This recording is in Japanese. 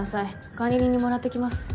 管理人にもらってきます